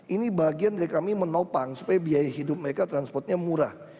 ini bagian dari kami menopang supaya biaya hidup mereka transportnya murah